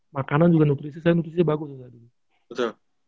makanan juga nutrisi saya nutrisinya bagus juga dulu